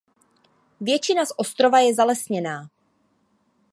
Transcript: Většina z ostrova je zalesněná.